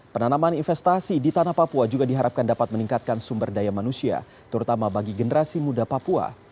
penanaman investasi di tanah papua juga diharapkan dapat meningkatkan sumber daya manusia terutama bagi generasi muda papua